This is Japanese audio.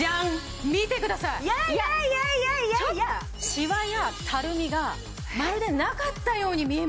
しわやたるみがまるでなかったように見えません？